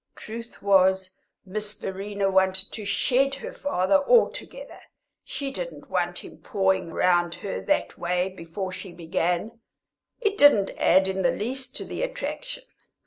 The truth was, Miss Verena wanted to "shed" her father altogether; she didn't want him pawing round her that way before she began; it didn't add in the least to the attraction.